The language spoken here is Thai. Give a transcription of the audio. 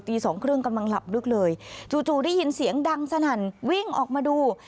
สองครึ่งกำลังหลับลึกเลยจู่ได้ยินเสียงดังสนั่นวิ่งออกมาดู